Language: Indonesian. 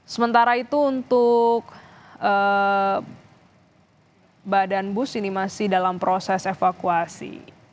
sementara itu untuk badan bus ini masih dalam proses evakuasi